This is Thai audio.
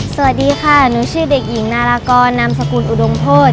สวัสดีค่ะหนูชื่อเด็กหญิงนารากรนามสกุลอุดมโภษ